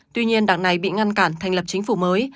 tuy nhiên đảng này bị ngăn cản thành lập chính phủ mới